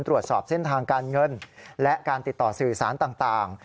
ตรวจสอบเส้นทางการเงินและการติดต่อสื่อสารต่าง